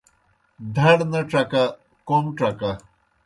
دھڑ نہ ڇکہ کوْم ڇکہ